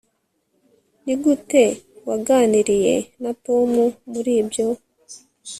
nigute waganiriye na tom muri ibyo